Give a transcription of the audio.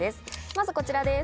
まずこちらです。